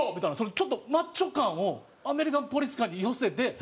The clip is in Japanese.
ちょっとマッチョ感をアメリカンポリス感に寄せて。